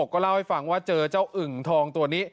ก็เล่าให้ฟังว่าเจอเจ้าอึ่งทองตัวนี้